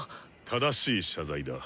正しい謝罪だ。